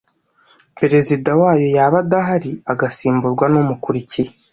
perezida wayo yaba adahari agasimburwa numukurikiye